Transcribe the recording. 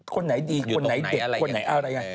คนไหนดีคนไหนเด็กคนไหนอะไรยังไง